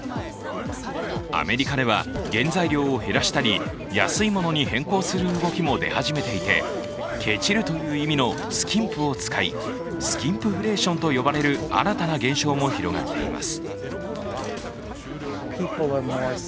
アメリカでは原材料を減らしたり安いものに変更する動きも出始めていてケチるという意味のスキンプを使い、スキンプフレーションと呼ばれる新たな現象も広がっています。